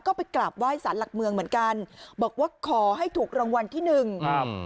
ก็ไปกราบไหว้สารหลักเมืองเหมือนกันบอกว่าขอให้ถูกรางวัลที่หนึ่งครับ